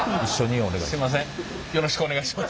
お二人よろしくお願いします。